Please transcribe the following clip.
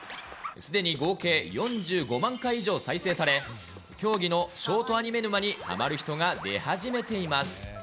すでに合計４５万回以上再生され、競技のショートアニメ沼にハマる人が出始めています。